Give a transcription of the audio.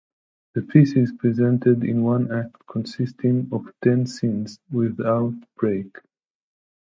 The piece is presented in one act consisting of ten scenes without break.